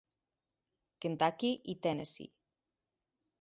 Kentucky i Tennessee.